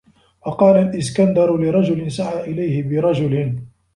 وَقَالَ الْإِسْكَنْدَرُ لِرَجُلٍ سَعَى إلَيْهِ بِرَجُلٍ